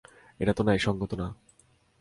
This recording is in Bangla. এটা তো ন্যায়সঙ্গত না।